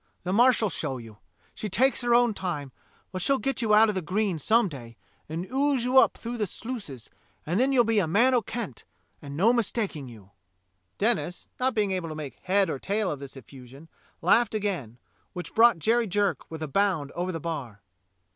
The Marsh'll show you. She takes her own time, but she'll get you out of the green some day and ooze you up through the sluices, and then you'll be a man o' Kent, and no mistaking you." Denis, not able to make head or tail of this effusion, 22 DOCTOR SYN laughed again, which brought Jerry Jerk with a bound over the bar.